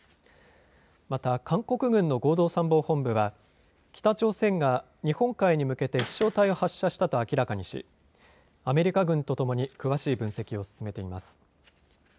また韓国軍の合同参謀本部は北朝鮮が日本海に向けて飛しょう体を発射したと明らかにし、アメリカ軍とともに詳しい分析を進めています。